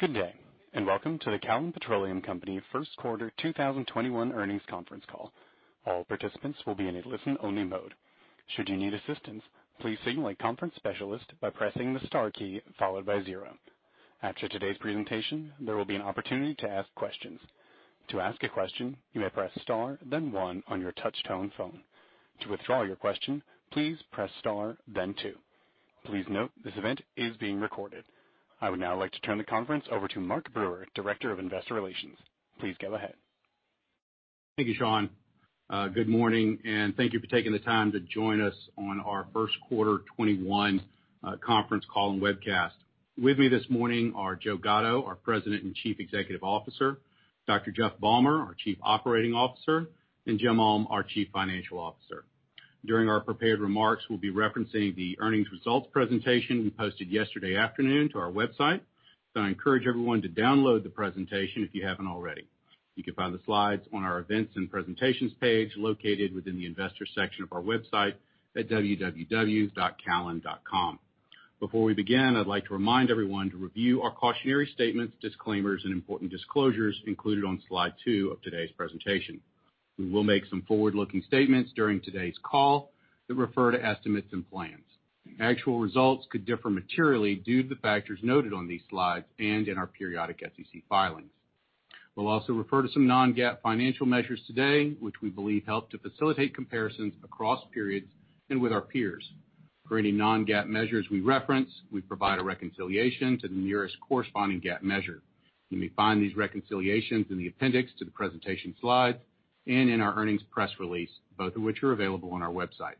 Good day, and welcome to the Callon Petroleum Company first quarter 2021 earnings conference call. All participants will be in a listen-only mode. Should you need assistance signal the conference specialist by pressing the star key followed by zero. After today's presentation, there will be an opportunity to ask questions. To ask a question, you may press star then one on your telephone touchtone. To withdraw your question please press star then two. Please note, this event is being recorded. I would now like to turn the conference over to Mark Brewer, Director of Investor Relations. Please go ahead. Thank you, Sean. Good morning, and thank you for taking the time to join us on our first quarter 2021 conference call and webcast. With me this morning are Joe Gatto, our President and Chief Executive Officer, Dr. Jeff Balmer, our Chief Operating Officer, and Jim Ulm, our Chief Financial Officer. During our prepared remarks, we'll be referencing the earnings results presentation we posted yesterday afternoon to our website. I encourage everyone to download the presentation if you haven't already. You can find the slides on our events and presentations page located within the investor section of our website at www.callon.com. Before we begin, I'd like to remind everyone to review our cautionary statements, disclaimers, and important disclosures included on slide two of today's presentation. We will make some forward-looking statements during today's call that refer to estimates and plans. Actual results could differ materially due to the factors noted on these slides and in our periodic SEC filings. We'll also refer to some non-GAAP financial measures today, which we believe help to facilitate comparisons across periods and with our peers. For any non-GAAP measures we reference, we provide a reconciliation to the nearest corresponding GAAP measure. You may find these reconciliations in the appendix to the presentation slides and in our earnings press release, both of which are available on our website.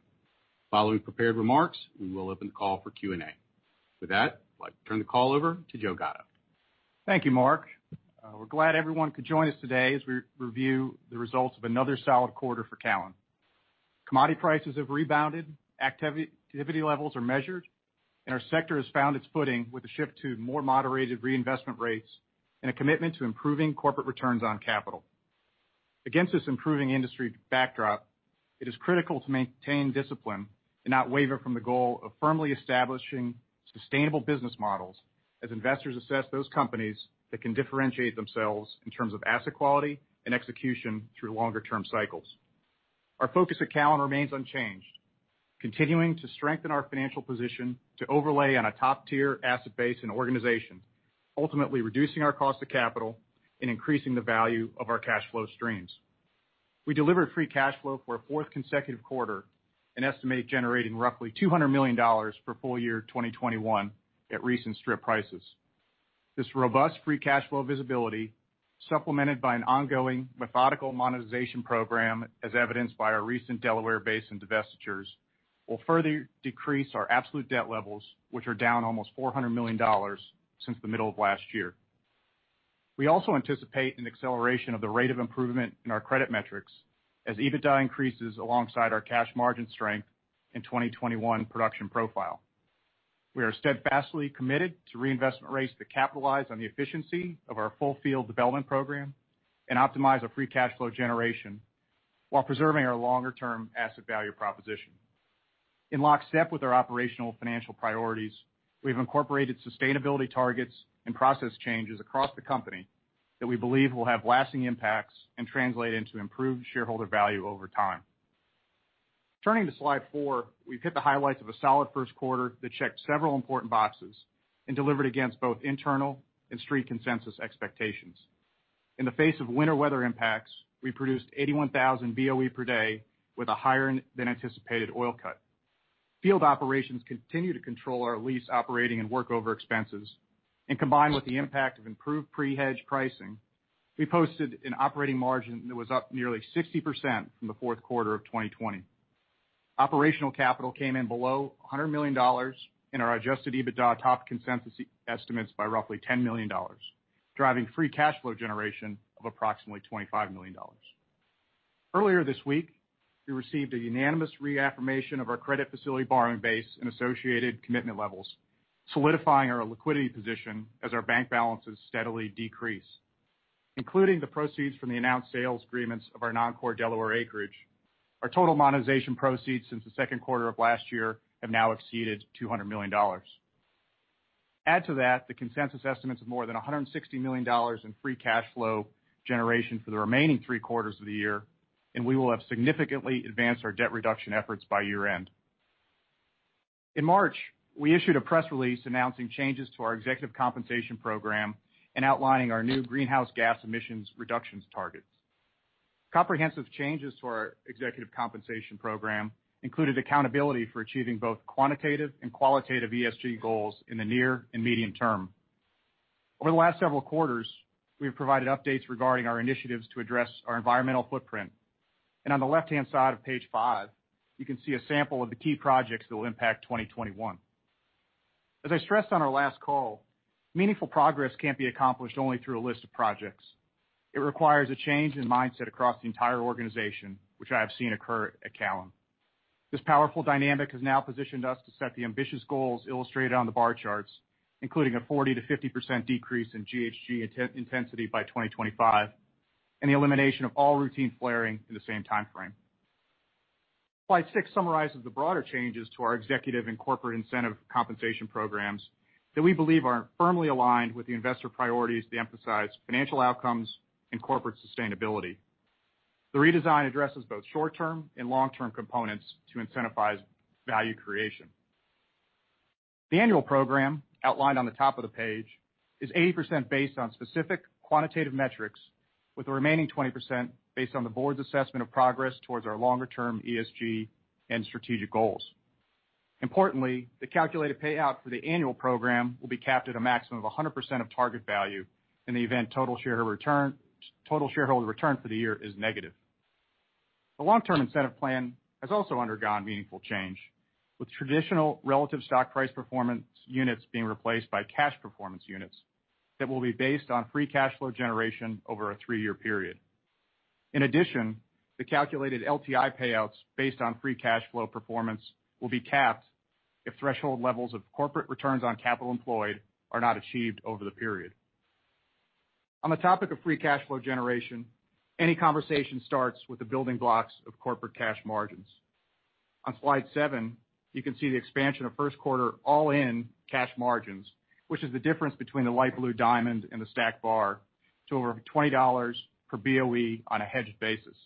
Following prepared remarks, we will open the call for Q&A. For that, I'd like to turn the call over to Joe Gatto. Thank you, Mark. We're glad everyone could join us today as we review the results of another solid quarter for Callon. Commodity prices have rebounded, activity levels are measured, and our sector has found its footing with a shift to more moderated reinvestment rates and a commitment to improving corporate returns on capital. Against this improving industry backdrop, it is critical to maintain discipline and not waver from the goal of firmly establishing sustainable business models as investors assess those companies that can differentiate themselves in terms of asset quality and execution through longer-term cycles. Our focus at Callon remains unchanged, continuing to strengthen our financial position to overlay on a top-tier asset base and organization, ultimately reducing our cost of capital and increasing the value of our cash flow streams. We delivered free cash flow for a fourth consecutive quarter and estimate generating roughly $200 million for full year 2021 at recent strip prices. This robust free cash flow visibility, supplemented by an ongoing methodical monetization program, as evidenced by our recent Delaware Basin divestitures, will further decrease our absolute debt levels, which are down almost $400 million since the middle of last year. We also anticipate an acceleration of the rate of improvement in our credit metrics as EBITDA increases alongside our cash margin strength in 2021 production profile. We are steadfastly committed to reinvestment rates that capitalize on the efficiency of our full field development program and optimize our free cash flow generation while preserving our longer-term asset value proposition. In lockstep with our operational financial priorities, we've incorporated sustainability targets and process changes across the company that we believe will have lasting impacts and translate into improved shareholder value over time. Turning to slide four, we've hit the highlights of a solid first quarter that checked several important boxes and delivered against both internal and street consensus expectations. In the face of winter weather impacts, we produced 81,000 BOE per day with a higher than anticipated oil cut. Field operations continue to control our lease operating and workover expenses. Combined with the impact of improved pre-hedge pricing, we posted an operating margin that was up nearly 60% from the fourth quarter of 2020. Operational capital came in below $100 million. Our adjusted EBITDA topped consensus estimates by roughly $10 million, driving free cash flow generation of approximately $25 million. Earlier this week, we received a unanimous reaffirmation of our credit facility borrowing base and associated commitment levels, solidifying our liquidity position as our bank balances steadily decrease. Including the proceeds from the announced sales agreements of our non-core Delaware acreage, our total monetization proceeds since the second quarter of last year have now exceeded $200 million. Add to that the consensus estimates of more than $160 million in free cash flow generation for the remaining three quarters of the year, and we will have significantly advanced our debt reduction efforts by year-end. In March, we issued a press release announcing changes to our executive compensation program and outlining our new greenhouse gas emissions reductions targets. Comprehensive changes to our executive compensation program included accountability for achieving both quantitative and qualitative ESG goals in the near and medium term. Over the last several quarters, we have provided updates regarding our initiatives to address our environmental footprint. On the left-hand side of page five, you can see a sample of the key projects that will impact 2021. As I stressed on our last call, meaningful progress can't be accomplished only through a list of projects. It requires a change in mindset across the entire organization, which I have seen occur at Callon. This powerful dynamic has now positioned us to set the ambitious goals illustrated on the bar charts, including a 40%-50% decrease in GHG intensity by 2025, and the elimination of all routine flaring in the same timeframe. Slide six summarizes the broader changes to our executive and corporate incentive compensation programs that we believe are firmly aligned with the investor priorities to emphasize financial outcomes and corporate sustainability. The redesign addresses both short-term and long-term components to incentivize value creation. The annual program, outlined on the top of the page, is 80% based on specific quantitative metrics, with the remaining 20% based on the board's assessment of progress towards our longer-term ESG and strategic goals. Importantly, the calculated payout for the annual program will be capped at a maximum of 100% of target value in the event total shareholder return for the year is negative. The long-term incentive plan has also undergone meaningful change, with traditional relative stock price performance units being replaced by cash performance units that will be based on free cash flow generation over a three-year period. In addition, the calculated LTI payouts based on free cash flow performance will be capped if threshold levels of corporate returns on capital employed are not achieved over the period. On the topic of free cash flow generation, any conversation starts with the building blocks of corporate cash margins. On slide seven, you can see the expansion of first quarter all-in cash margins, which is the difference between the light blue diamond and the stacked bar, to over $20 per BOE on a hedged basis.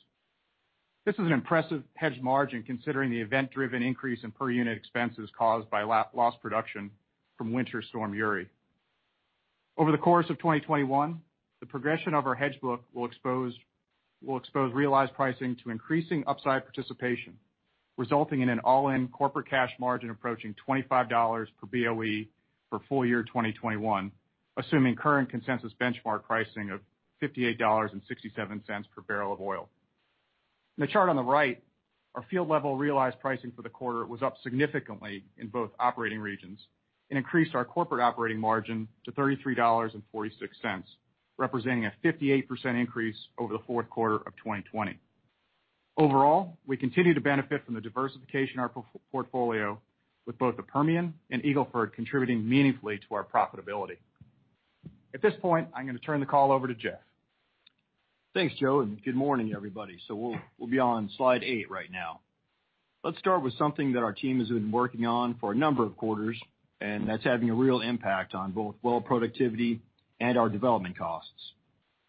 This is an impressive hedged margin, considering the event-driven increase in per unit expenses caused by lost production from Winter Storm Uri. Over the course of 2021, the progression of our hedge book will expose realized pricing to increasing upside participation, resulting in an all-in corporate cash margin approaching $25 per BOE for full year 2021, assuming current consensus benchmark pricing of $58.67 per barrel of oil. In the chart on the right, our field-level realized pricing for the quarter was up significantly in both operating regions and increased our corporate operating margin to $33.46, representing a 58% increase over the fourth quarter of 2020. Overall, we continue to benefit from the diversification of our portfolio, with both the Permian and Eagle Ford contributing meaningfully to our profitability. At this point, I'm going to turn the call over to Jeff. Thanks, Joe, and good morning, everybody. We'll be on slide eight right now. Let's start with something that our team has been working on for a number of quarters, and that's having a real impact on both well productivity and our development costs.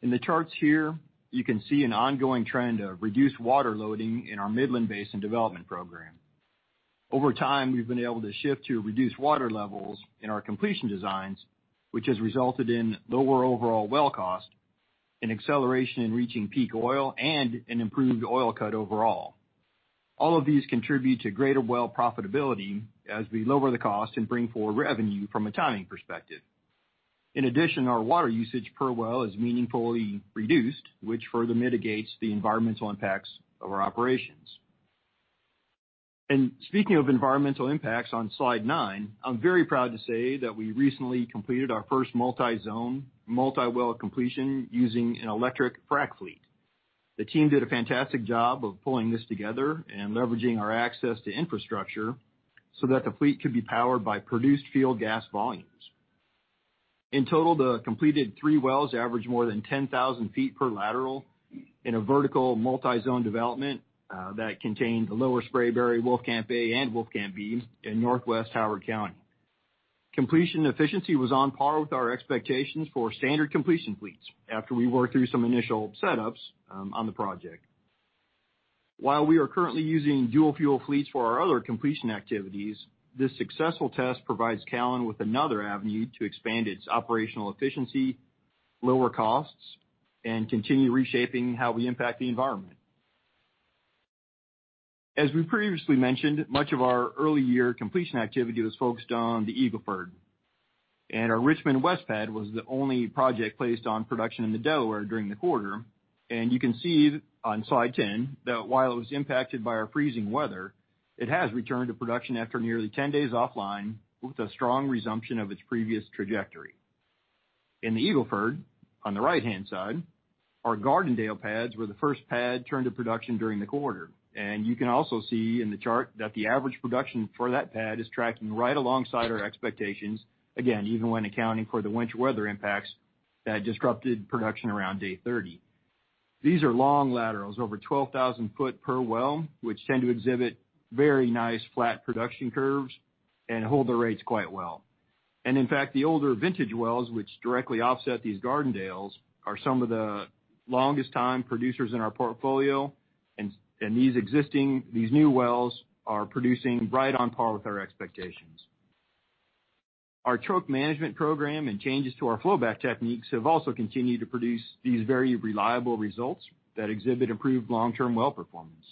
In the charts here, you can see an ongoing trend of reduced water loading in our Midland Basin development program. Over time, we've been able to shift to reduced water levels in our completion designs, which has resulted in lower overall well cost, an acceleration in reaching peak oil, and an improved oil cut overall. All of these contribute to greater well profitability as we lower the cost and bring forward revenue from a timing perspective. In addition, our water usage per well is meaningfully reduced, which further mitigates the environmental impacts of our operations. Speaking of environmental impacts, on Slide nine, I'm very proud to say that we recently completed our first multi-zone, multi-well completion using an electric frack fleet. The team did a fantastic job of pulling this together and leveraging our access to infrastructure so that the fleet could be powered by produced field gas volumes. In total, the completed three wells average more than 10,000 ft per lateral in a vertical multi-zone development that contained the Lower Spraberry Wolfcamp A and Wolfcamp B in northwest Howard County. Completion efficiency was on par with our expectations for standard completion fleets after we worked through some initial setups on the project. While we are currently using dual-fuel fleets for our other completion activities, this successful test provides Callon with another avenue to expand its operational efficiency, lower costs, and continue reshaping how we impact the environment. As we previously mentioned, much of our early year completion activity was focused on the Eagle Ford, and our Richmond West pad was the only project placed on production in the Delaware during the quarter. You can see on Slide 10 that while it was impacted by our freezing weather, it has returned to production after nearly 10 days offline with a strong resumption of its previous trajectory. In the Eagle Ford, on the right-hand side, our Gardendale pads were the first pad turned to production during the quarter. You can also see in the chart that the average production for that pad is tracking right alongside our expectations, again, even when accounting for the winter weather impacts that disrupted production around day 30. These are long laterals, over 12,000 ft per well, which tend to exhibit very nice flat production curves and hold the rates quite well. In fact, the older vintage wells, which directly offset these Gardendales, are some of the longest time producers in our portfolio. These new wells are producing right on par with our expectations. Our choke management program and changes to our flowback techniques have also continued to produce these very reliable results that exhibit improved long-term well performance.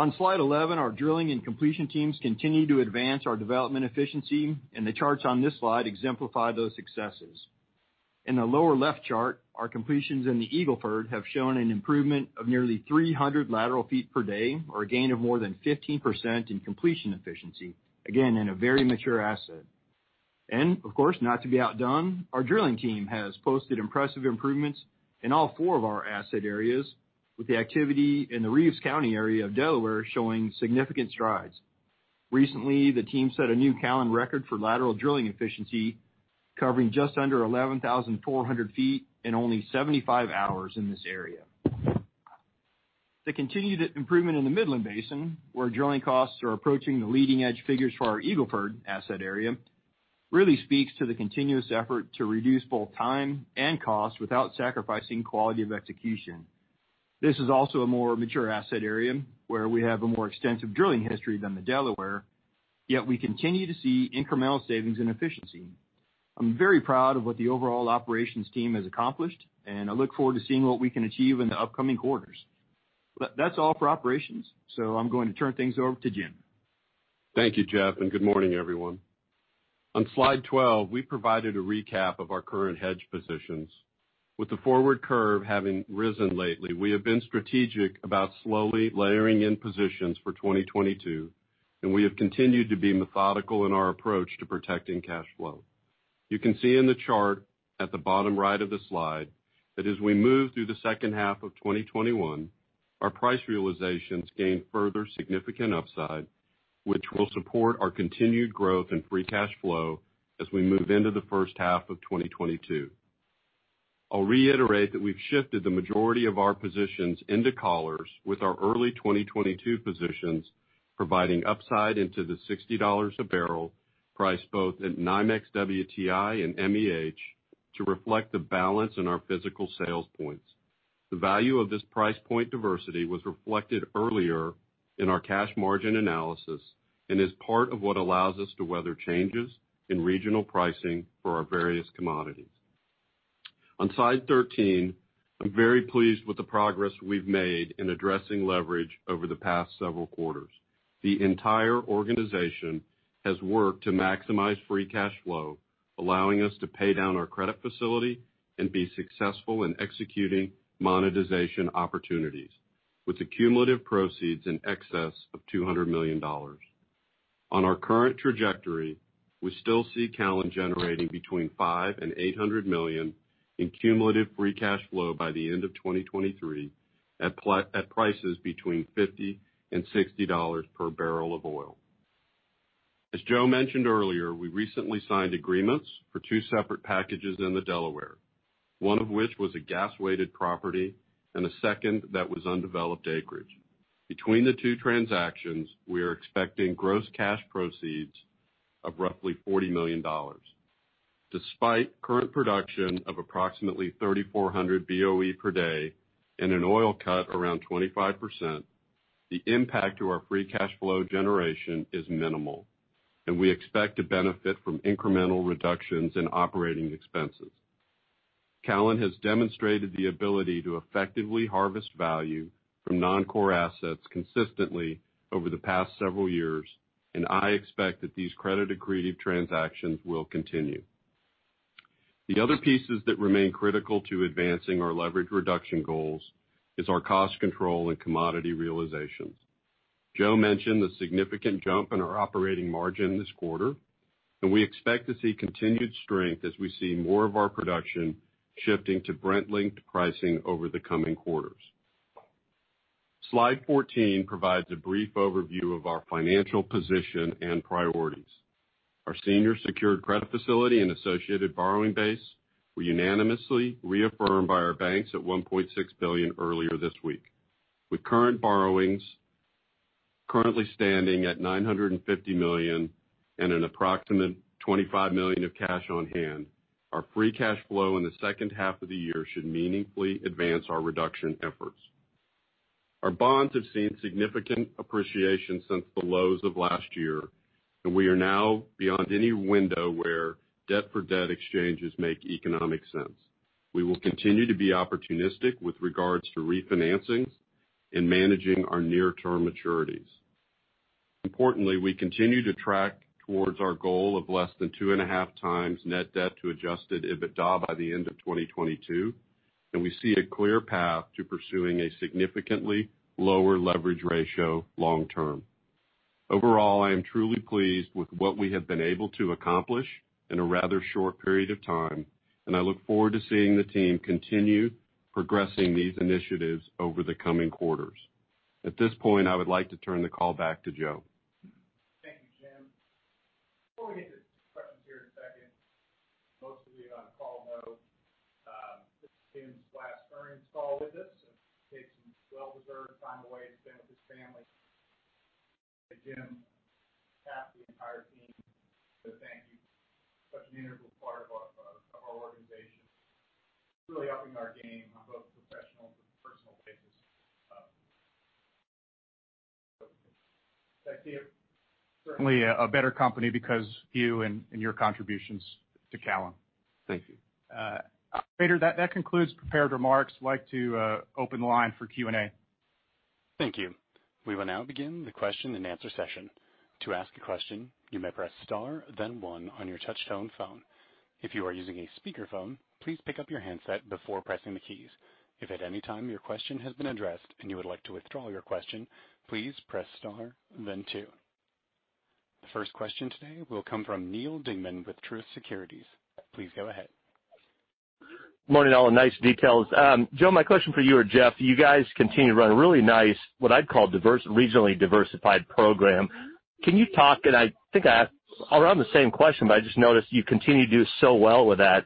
On slide 11, our drilling and completion teams continue to advance our development efficiency, and the charts on this slide exemplify those successes. In the lower left chart, our completions in the Eagle Ford have shown an improvement of nearly 300 lateral feet per day or a gain of more than 15% in completion efficiency, again, in a very mature asset. Of course, not to be outdone, our drilling team has posted impressive improvements in all four of our asset areas, with the activity in the Reeves County area of Delaware showing significant strides. Recently, the team set a new Callon record for lateral drilling efficiency, covering just under 11,400 ft in only 75 hours in this area. The continued improvement in the Midland Basin, where drilling costs are approaching the leading-edge figures for our Eagle Ford asset area, really speaks to the continuous effort to reduce both time and cost without sacrificing quality of execution. This is also a more mature asset area, where we have a more extensive drilling history than the Delaware, yet we continue to see incremental savings and efficiency. I'm very proud of what the overall operations team has accomplished, and I look forward to seeing what we can achieve in the upcoming quarters. That's all for operations. I'm going to turn things over to Jim. Thank you, Jeff. Good morning, everyone. On slide 12, we provided a recap of our current hedge positions. With the forward curve having risen lately, we have been strategic about slowly layering in positions for 2022, and we have continued to be methodical in our approach to protecting cash flow. You can see in the chart at the bottom right of the slide that as we move through the second half of 2021, our price realizations gain further significant upside, which will support our continued growth and free cash flow as we move into the first half of 2022. I'll reiterate that we've shifted the majority of our positions into collars with our early 2022 positions, providing upside into the $60 of barrel price, both at NYMEX WTI and MEH to reflect the balance in our physical sales points. The value of this price point diversity was reflected earlier in our cash margin analysis and is part of what allows us to weather changes in regional pricing for our various commodities. On slide 13, I'm very pleased with the progress we've made in addressing leverage over the past several quarters. The entire organization has worked to maximize free cash flow, allowing us to pay down our credit facility and be successful in executing monetization opportunities with cumulative proceeds in excess of $200 million. On our current trajectory, we still see Callon generating between $500 million and $800 million in cumulative free cash flow by the end of 2023 at prices between $50 and $60 per barrel of oil. As Joe mentioned earlier, we recently signed agreements for two separate packages in the Delaware, one of which was a gas-weighted property and a second that was undeveloped acreage. Between the two transactions, we are expecting gross cash proceeds of roughly $40 million. Despite current production of approximately 3,400 BOE per day and an oil cut around 25%, the impact to our free cash flow generation is minimal, and we expect to benefit from incremental reductions in operating expenses. Callon has demonstrated the ability to effectively harvest value from non-core assets consistently over the past several years, and I expect that these credit-accretive transactions will continue. The other pieces that remain critical to advancing our leverage reduction goals is our cost control and commodity realizations. Joe mentioned the significant jump in our operating margin this quarter, and we expect to see continued strength as we see more of our production shifting to Brent-linked pricing over the coming quarters. Slide 14 provides a brief overview of our financial position and priorities. Our senior secured credit facility and associated borrowing base were unanimously reaffirmed by our banks at $1.6 billion earlier this week. With current borrowings currently standing at $950 million and an approximate $25 million of cash on hand, our free cash flow in the second half of the year should meaningfully advance our reduction efforts. Our bonds have seen significant appreciation since the lows of last year, and we are now beyond any window where debt for debt exchanges make economic sense. We will continue to be opportunistic with regards to refinancing and managing our near-term maturities. Importantly, we continue to track towards our goal of less than 2.5 times net debt to adjusted EBITDA by the end of 2022. We see a clear path to pursuing a significantly lower leverage ratio long term. Overall, I am truly pleased with what we have been able to accomplish in a rather short period of time, and I look forward to seeing the team continue progressing these initiatives over the coming quarters. At this point, I would like to turn the call back to Joe. Thank you, Jim. Before we get to questions here in a second, most of you on call know, this is Jim's last earnings call with us. Take some well-deserved time away to spend with his family. Jim, half the entire team want to thank you. Such an integral part of our organization. It's really upping our game on both professional and personal basis. Back to you. Certainly a better company because of you and your contributions to Callon. Thank you. Operator, that concludes prepared remarks. I'd like to open the line for Q&A. Thank you. We will now begin the question and answer session. To ask a question, you may press star, then one on your touchtone phone. If you are using a speakerphone, please pick up your handset before pressing the keys. If at any time your question has been addressed and you would like to withdraw your question, please press star, then two. The first question today will come from Neal Dingmann with Truist Securities. Please go ahead. Morning, all, nice details. Joe, my question for you or Jeff, you guys continue to run a really nice, what I'd call, regionally diversified program. Can you talk, and I think I asked around the same question, but I just noticed you continue to do so well with that.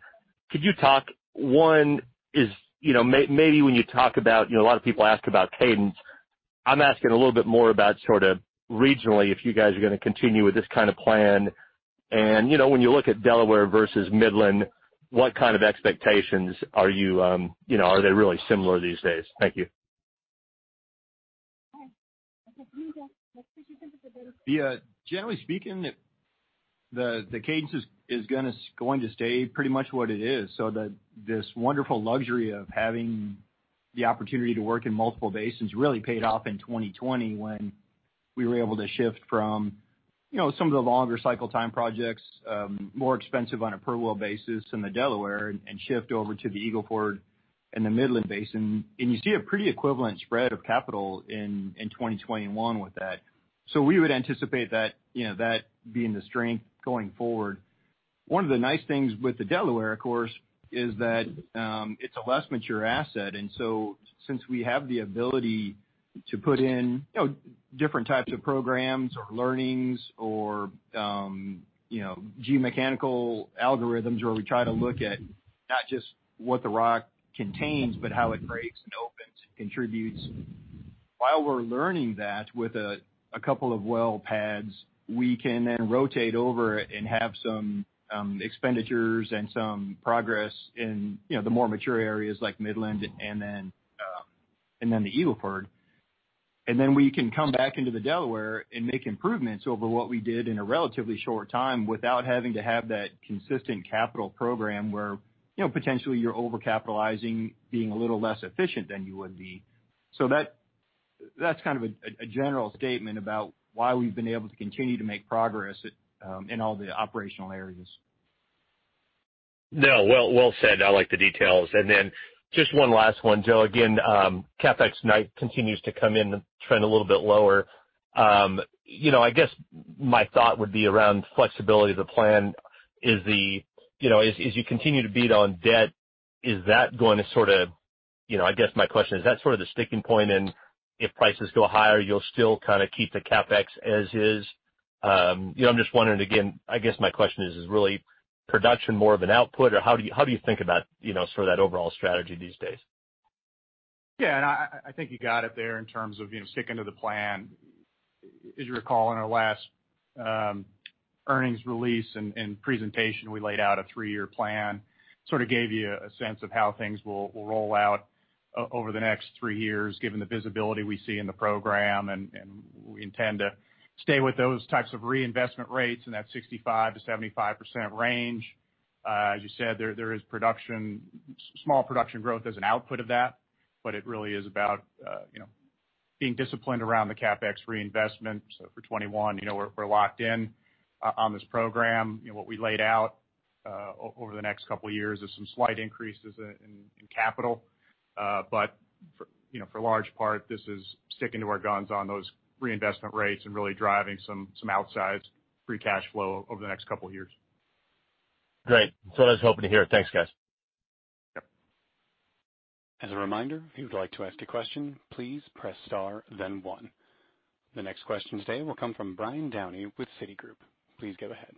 Could you talk, one is, maybe when you talk about, a lot of people ask about cadence. I'm asking a little bit more about sort of regionally, if you guys are going to continue with this kind of plan. When you look at Delaware versus Midland, what kind of expectations are they really similar these days? Thank you. Yeah. Generally speaking, the cadence is going to stay pretty much what it is. This wonderful luxury of having the opportunity to work in multiple basins really paid off in 2020 when we were able to shift from some of the longer cycle time projects, more expensive on a per well basis in the Delaware and shift over to the Eagle Ford and the Midland Basin. You see a pretty equivalent spread of capital in 2021 with that. We would anticipate that being the strength going forward. One of the nice things with the Delaware, of course, is that it's a less mature asset. Since we have the ability to put in different types of programs or learnings or mechanical algorithms where we try to look at not just what the rock contains, but how it breaks and opens, contributes. While we're learning that with a couple of well pads, we can then rotate over and have some expenditures and some progress in the more mature areas like Midland and then the Eagle Ford. We can come back into the Delaware and make improvements over what we did in a relatively short time without having to have that consistent capital program where potentially you're overcapitalizing, being a little less efficient than you would be. That's kind of a general statement about why we've been able to continue to make progress in all the operational areas. No, well said. I like the details. Just one last one, Joe, again, CapEx tonight continues to come in and trend a little bit lower. I guess my thought would be around flexibility of the plan. As you continue to beat on debt, I guess my question, is that sort of the sticking point in if prices go higher, you'll still kind of keep the CapEx as is? I'm just wondering again, I guess my question is really production more of an output? How do you think about sort of that overall strategy these days? Yeah, I think you got it there in terms of sticking to the plan. As you recall, in our last earnings release and presentation, we laid out a three-year plan, sort of gave you a sense of how things will roll out over the next three years, given the visibility we see in the program. We intend to stay with those types of reinvestment rates in that 65%-75% range. As you said, there is small production growth as an output of that, but it really is about being disciplined around the CapEx reinvestment. For 2021, we're locked in on this program. What we laid out over the next couple of years is some slight increases in capital. For a large part, this is sticking to our guns on those reinvestment rates and really driving some outsized free cash flow over the next couple of years. Great. That's what I was hoping to hear. Thanks, guys. Yep. As a reminder, if you'd like to ask a question, please press star then one. The next question today will come from Brian Downey with Citigroup. Please go ahead.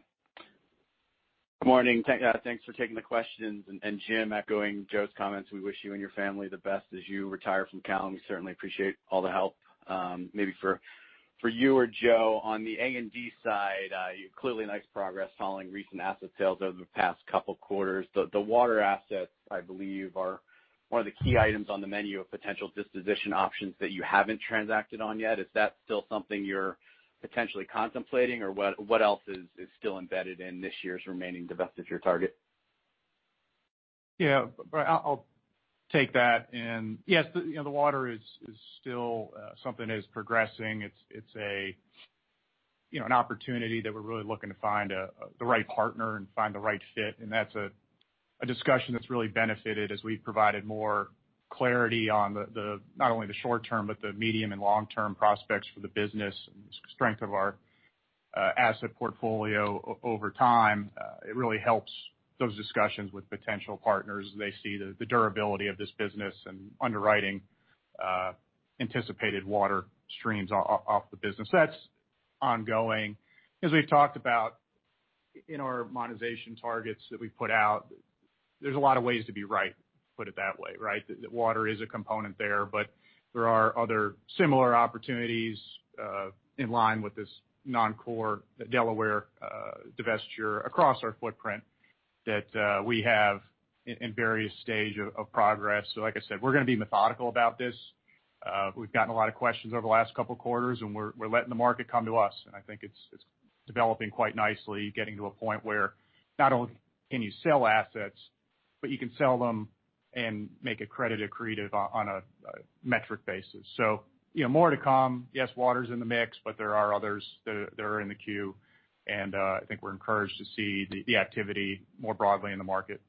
Good morning. Thanks for taking the questions. Jim, echoing Joe's comments, we wish you and your family the best as you retire from Callon. We certainly appreciate all the help. Maybe for you or Joe, on the A&D side, clearly nice progress following recent asset sales over the past couple quarters. The water assets, I believe, are one of the key items on the menu of potential disposition options that you haven't transacted on yet. Is that still something you're potentially contemplating or what else is still embedded in this year's remaining divesture target? Yeah. Brian, I'll take that. Yes, the water is still something that is progressing. It's an opportunity that we're really looking to find the right partner and find the right fit. That's a discussion that's really benefited as we've provided more clarity on not only the short term, but the medium and long-term prospects for the business and the strength of our asset portfolio over time. It really helps those discussions with potential partners as they see the durability of this business and underwriting anticipated water streams off the business. That's ongoing. As we've talked about in our monetization targets that we put out, there's a lot of ways to be right, put it that way, right? Water is a component there, but there are other similar opportunities in line with this non-core Delaware divestiture across our footprint that we have in various stage of progress. Like I said, we're going to be methodical about this. We've gotten a lot of questions over the last couple of quarters, and we're letting the market come to us. I think it's developing quite nicely, getting to a point where not only can you sell assets, but you can sell them and make it credit accretive on a metric basis. More to come. Yes, water's in the mix, but there are others that are in the queue, and I think we're encouraged to see the activity more broadly in the market.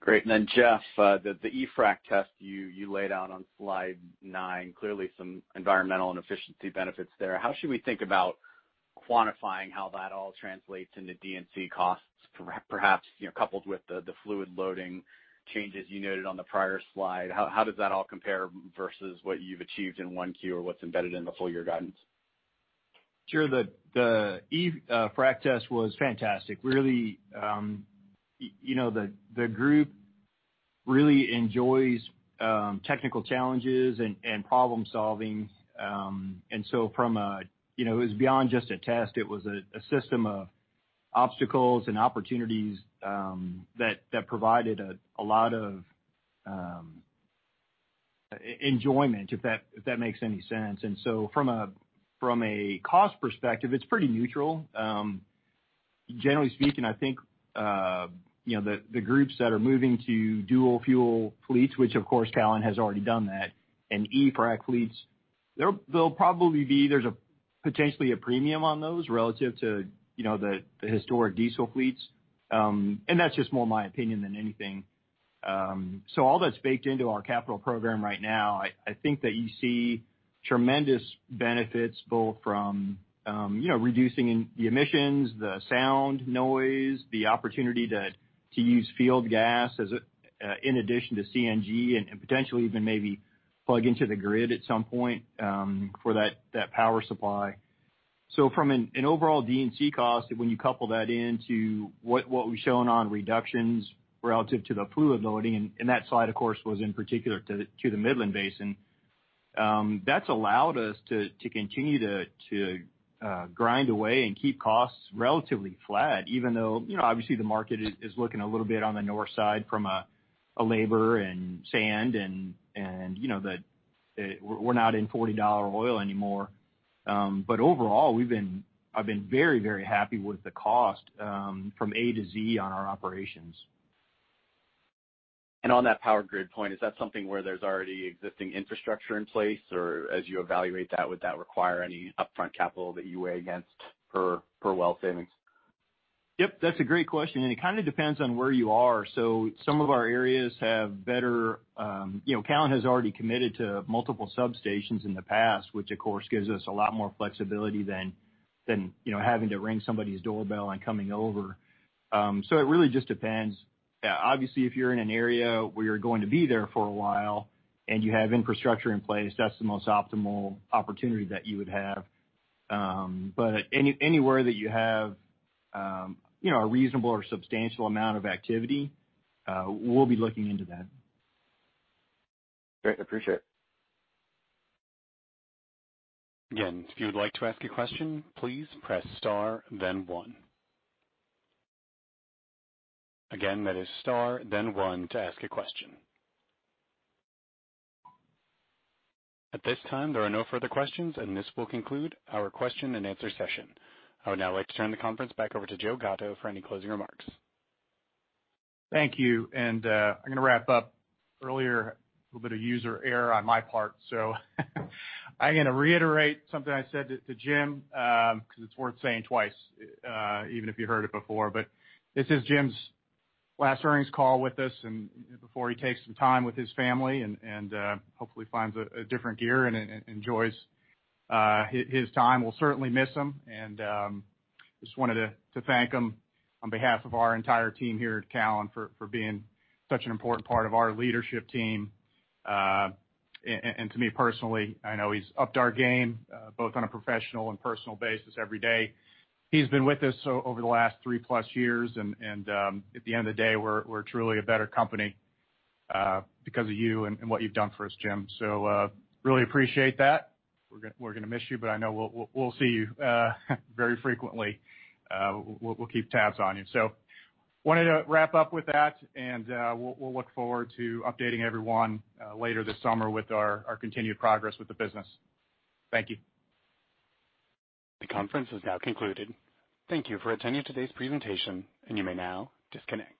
Great. Jeff, the e-frac test you laid out on slide nine, clearly some environmental and efficiency benefits there. How should we think about quantifying how that all translates into D&C costs perhaps, coupled with the fluid loading changes you noted on the prior slide? How does that all compare versus what you've achieved in 1Q or what's embedded in the full year guidance? Sure. The e-frac test was fantastic. Really, the group really enjoys technical challenges and problem-solving. It was beyond just a test. It was a system of obstacles and opportunities that provided a lot of enjoyment, if that makes any sense. From a cost perspective, it's pretty neutral. Generally speaking, I think, the groups that are moving to dual-fuel fleets, which of course Callon has already done that, and e-frac fleets, there's potentially a premium on those relative to the historic diesel fleets. That's just more my opinion than anything. All that's baked into our capital program right now. I think that you see tremendous benefits both from reducing the emissions, the sound, noise, the opportunity to use field gas in addition to CNG and potentially even maybe plug into the grid at some point for that power supply. From an overall D&C cost, when you couple that into what we've shown on reductions relative to the fluid loading, and that slide, of course, was in particular to the Midland Basin. That's allowed us to continue to grind away and keep costs relatively flat, even though, obviously the market is looking a little bit on the north side from a labor and sand and, we're not in $40 oil anymore. Overall, I've been very happy with the cost from A to Z on our operations. On that power grid point, is that something where there's already existing infrastructure in place? Or as you evaluate that, would that require any upfront capital that you weigh against per well savings? Yep, that's a great question. It kind of depends on where you are. Some of our areas Callon has already committed to multiple substations in the past, which of course gives us a lot more flexibility than having to ring somebody's doorbell and coming over. It really just depends. Obviously, if you're in an area where you're going to be there for a while and you have infrastructure in place, that's the most optimal opportunity that you would have. Anywhere that you have a reasonable or substantial amount of activity, we'll be looking into that. Great, appreciate it. Again, if you would like to ask a question, please press star then one. Again, that is star then one to ask a question. At this time, there are no further questions, and this will conclude our question and answer session. I would now like to turn the conference back over to Joe Gatto for any closing remarks. Thank you. I'm gonna wrap up. Earlier, a little bit of user error on my part. I am gonna reiterate something I said to Jim, because it's worth saying twice, even if you heard it before. This is Jim's last earnings call with us, and before he takes some time with his family and hopefully finds a different gear and enjoys his time. We'll certainly miss him and just wanted to thank him on behalf of our entire team here at Callon for being such an important part of our leadership team. To me personally, I know he's upped our game, both on a professional and personal basis every day. He's been with us over the last three-plus years and at the end of the day, we're truly a better company because of you and what you've done for us, Jim. Really appreciate that. We're gonna miss you, but I know we'll see you very frequently. We'll keep tabs on you. We wanted to wrap up with that, and we'll look forward to updating everyone later this summer with our continued progress with the business. Thank you. The conference has now concluded. Thank you for attending today's presentation, and you may now disconnect.